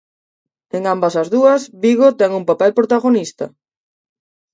En ambas as dúas, Vigo ten un papel protagonista.